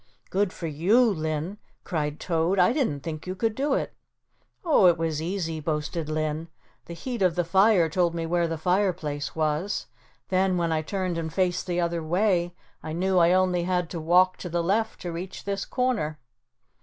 "Good for you, Linn," cried Toad. "I didn't think you could do it." "Oh, it was easy," boasted Linn. "The heat of the fire told me where the fireplace was, then when I turned and faced the other way I knew I only had to walk to the left to reach this corner."